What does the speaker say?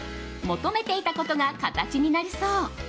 求めていたことが形になりそう。